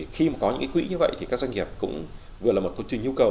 khi có những quỹ như vậy thì các doanh nghiệp cũng vừa là một cơ chế nhu cầu